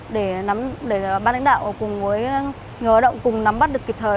để ban lãnh đạo cùng với người lao động cùng nắm bắt được kịp thời